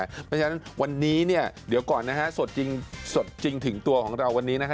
เพราะฉะนั้นวันนี้เนี่ยเดี๋ยวก่อนนะฮะสดจริงสดจริงถึงตัวของเราวันนี้นะฮะ